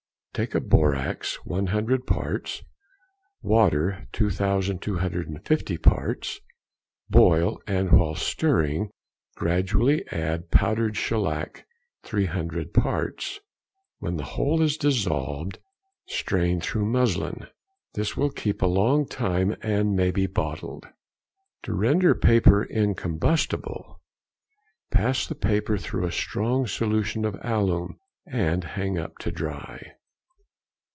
_—Take of borax 100 parts, water 2,250 parts; boil, and while stirring, gradually add powdered shellac 300 parts. When the whole is dissolved, strain through muslin. This will keep a long time and may be bottled. |166| To render paper incombustible.—Pass the paper through a strong solution of alum, and hang up to dry.